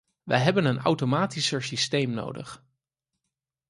Wij hebben een automatischer systeem nodig.